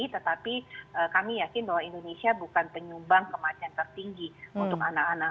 tetapi kami yakin bahwa indonesia bukan penyumbang kematian tertinggi untuk anak anak